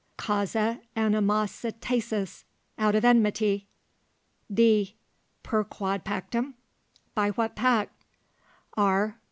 Causa animositatis. Out of enmity. D. Per quod pactum? By what pact? R.